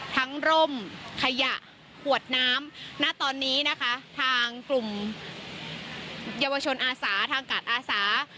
ร่มขยะขวดน้ำณตอนนี้นะคะทางกลุ่มเยาวชนอาสาทางการอาสา